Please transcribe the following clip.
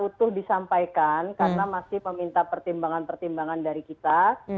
utuh disampaikan karena masih meminta pertimbangan pertimbangan dari kita